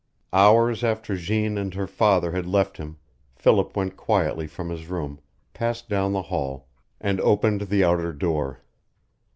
Hours after Jeanne and her father had left him Philip went quietly from his room, passed down the hall, and opened the outer door.